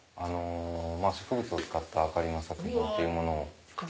植物を使った明かりの作品っていうものを。